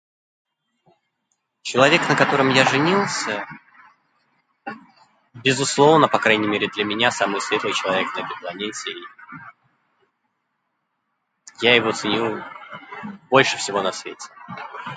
Человек, на котором я женился, безусловно по крайней мере для меня самый светлый человек на этой планете и.. я его ценю больше всего на свете.